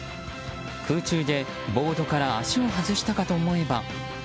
空中でボードから足を外したかと思えば。